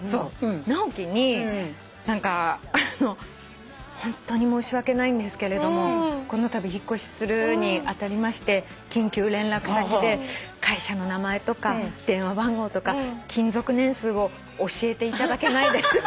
直樹に「ホントに申し訳ないんですけれどもこのたび引っ越しするに当たりまして緊急連絡先で会社の名前とか電話番号とか勤続年数を教えていただけないでしょうか？」